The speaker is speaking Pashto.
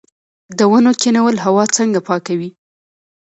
د ونو کینول هوا څنګه پاکوي؟